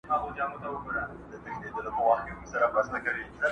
د وروستي مني مي یو څو پاڼي پر کور پاته دي!.